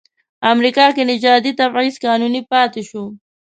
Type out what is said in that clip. امریکا کې نژادي تبعیض قانوني پاتې شو.